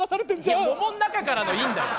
いや桃の中からのいいんだよ！